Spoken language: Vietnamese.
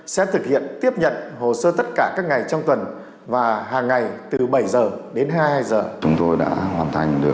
sẽ thực hiện tiếp nhận hồ sơ tất cả các ngày trong tuần và hàng ngày từ bảy giờ đến hai mươi hai giờ